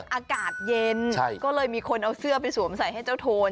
อากาศเย็นก็เลยมีคนเอาเสื้อไปสวมใส่ให้เจ้าโทน